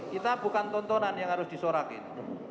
kita bukan tontonan yang harus disorakin